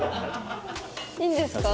いいんですか？